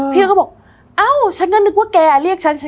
พี่ก็บอกเอ้าฉันก็นึกว่าแกเรียกฉันสิ